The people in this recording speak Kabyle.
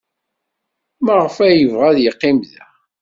Maɣef ay yebɣa ad yeqqim da?